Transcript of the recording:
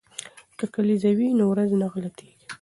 که کلیزه وي نو ورځ نه غلطیږي.